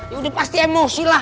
ya udah pasti emosi lah